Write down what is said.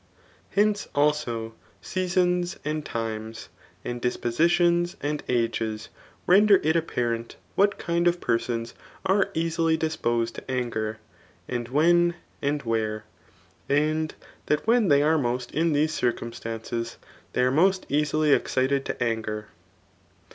Hence, also, seasons and times, and dispositions and ages render it apparent what kind of persons are easily dis posed to anger, and when and where; and that when they are most in these circumstances^ they are most easily excited to anger.